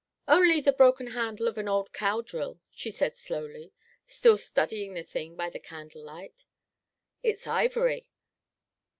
"Only the broken handle of an old cow drill," she said slowly, still studying the thing by the candle light. "It's ivory."